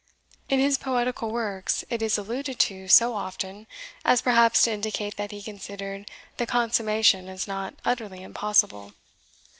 In his poetical works, it is alluded to so often, as perhaps to indicate that he considered the consummation as not utterly impossible.